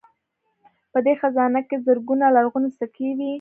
په دې خزانه کې زرګونه لرغونې سکې وې